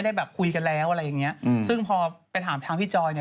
แต่บางคู่ผมเห็นแบบ๑๐กว่าปีก็มี